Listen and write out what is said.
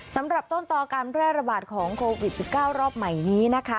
สำหรับต้นต่อการแพร่ระบาดของโควิด๑๙รอบใหม่นี้นะคะ